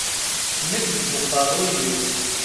Nekk deg uqerruy-iw.